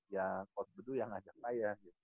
ya coach budu yang ngajak saya